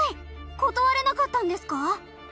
断れなかったんですか？